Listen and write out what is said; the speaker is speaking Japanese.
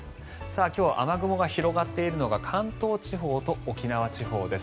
今日は雨雲が広がっているのが関東地方と沖縄地方です。